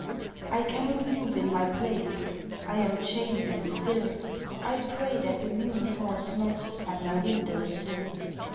I cannot move in my place, I am chained and still; I pray that the moon pause not By my window sill.